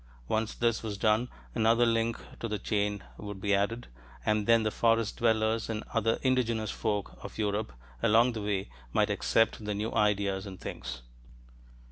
Once this was done another link to the chain would be added, and then the forest dwellers and other indigenous folk of Europe along the way might accept the new ideas and things.